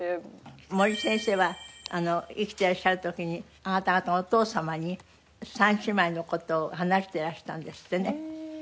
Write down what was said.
森先生は生きてらっしゃる時にあなた方のお父様に３姉妹の事を話してらしたんですってね。